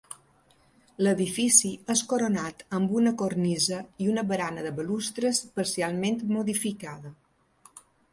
L'edifici és coronat amb una cornisa i una barana de balustres, parcialment modificada.